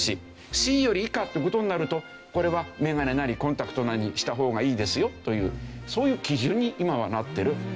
Ｃより以下って事になるとこれはメガネなりコンタクトなりにした方がいいですよというそういう基準に今はなってる。